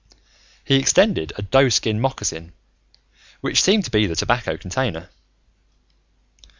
He extended a doeskin moccasin, which seemed to be the tobacco container.